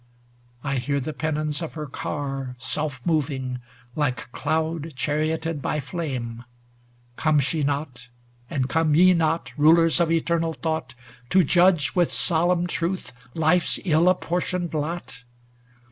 I hear the pennons of her car Self moving, like cloud charioted by flame; Comes she not, and come ye not. Rulers of eternal thought. To judge with solemn truth life's ill appor tioned lot